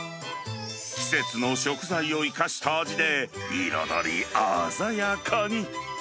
季節の食材を生かした味で、彩り鮮やかに。